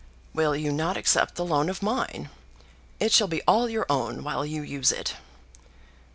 "Will you not accept the loan of mine? It shall be all your own while you use it."